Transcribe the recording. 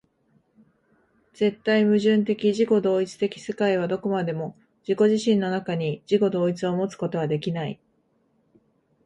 絶対矛盾的自己同一的世界はどこまでも自己自身の中に、自己同一をもつことはできない。